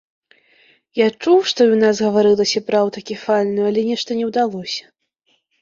Я чуў, што і ў нас гаварылася пра аўтакефальную, але нешта не ўдалося.